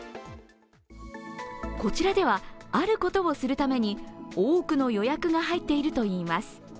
こちらでは、あることをするために多くの予約が入っているといいます。